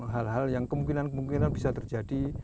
hal hal yang kemungkinan kemungkinan bisa terjadi